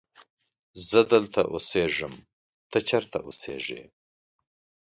زه دلته اسیږم ته چیرت اوسیږی